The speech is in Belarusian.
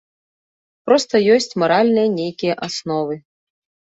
Проста ёсць маральныя нейкія асновы.